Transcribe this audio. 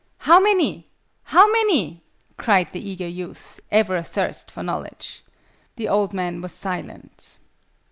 "How many? How many?" cried the eager youth, ever athirst for knowledge. The old man was silent.